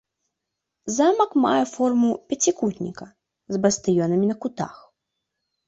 Замак мае форму пяцікутніка з бастыёнамі на кутах.